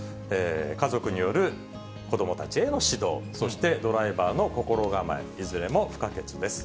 家族による子どもたちへの指導、そしてドライバーの心構え、いずれも不可欠です。